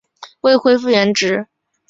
未恢复原职